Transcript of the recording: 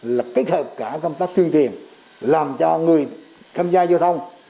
là kết hợp cả công tác thương tiền làm cho người tham gia giao thông